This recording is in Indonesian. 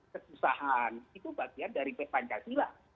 kesusahan itu bagian dari pancasila